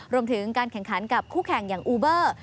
รวมถึงการแข่งขันกับคู่แข่งอย่างอูเบอร์